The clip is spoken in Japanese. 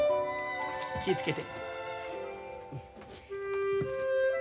気ぃ付けて。